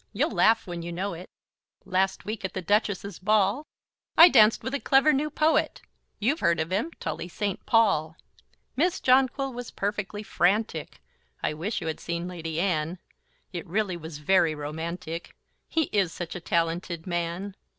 you'll laugh when you know it, Last week, at the Duchess's ball, I danced with the clever new poet, You've heard of him, Tully St. Paul. Miss Jonquil was perfectly frantic; I wish you had seen Lady Anne! It really was very romantic, He is such a talanted man!